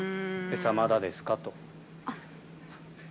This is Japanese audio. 餌まだですか？